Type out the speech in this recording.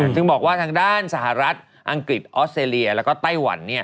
ถึงบอกว่าทางด้านสหรัฐอังกฤษออสเตรเลียแล้วก็ไต้หวัน